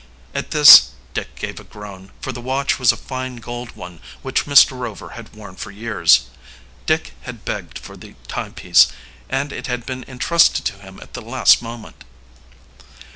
At this Dick gave a groan, for the watch was a fine gold one which Mr. Rover had worn for years. Dick had begged for the timepiece, and it had been entrusted to him at the last moment.